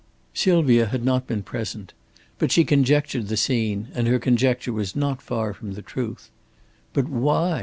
Sylvia had not been present. But she conjectured the scene, and her conjecture was not far from the truth. But why?